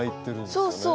そうそう。